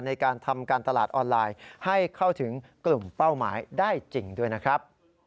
ในการทำการตลาดออนไลน์ให้เข้าถึงกลุ่มเป้าหมายได้จริงด้วยนะครับ